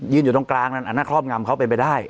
อยู่ตรงกลางนั้นอันนั้นครอบงำเขาเป็นไปได้